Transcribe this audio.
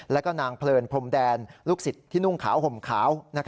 แล้วก็นางเพลินพรมแดนลูกศิษย์ที่นุ่งขาวห่มขาว